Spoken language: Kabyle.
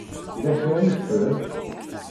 Yella kra ay ffren?